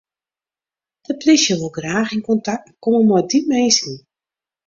De plysje wol graach yn kontakt komme mei dy minsken.